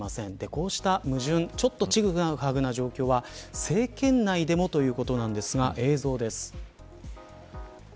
こうした矛盾、ちぐはぐな状況は政権内でもということですが映像です。